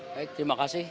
baik terima kasih